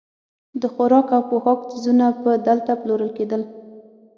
د خوراک او پوښاک څیزونه به دلته پلورل کېدل.